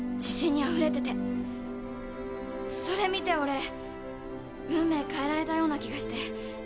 それ見て俺運命変えられたような気がして。